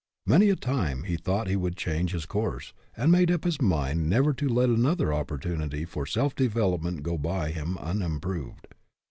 Many a time he thought he would change his course, and made up his mind never to let an other opportunity for self development go by him unimproved.